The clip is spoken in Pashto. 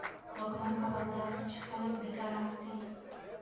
واکمن خبردار شو چې خلک بې قرار دي.